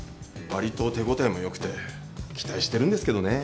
わりと手応えもよくて期待してるんですけどね。